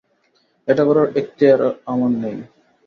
এটা করার এক্তিয়ার আমার নেই।